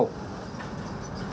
còn nắm trạm